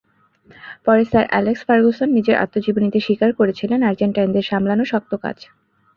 পরে sir Alex Ferguson নিজের আত্মজীবনীতে স্বীকার করেছিলেন, আর্জেন্টাইনদের সামলানো শক্ত কাজ।